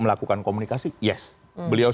melakukan komunikasi yes beliau